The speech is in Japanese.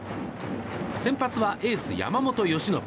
先発はエース、山本由伸。